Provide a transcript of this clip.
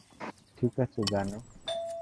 ঠিক আছে, জানু।